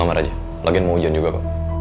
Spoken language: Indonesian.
apakah peace dari ini berhasil that